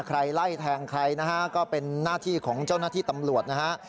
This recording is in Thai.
ใครไล่แทงใครนะฮะก็เป็นหน้าที่ของเจ้าหน้าที่ตำรวจนะฮะ